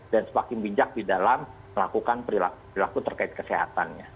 dan semakin bijak di dalam melakukan perilaku terkait kesehatannya